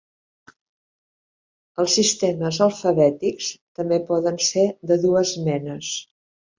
Els sistemes alfabètics també poden ser de dues menes.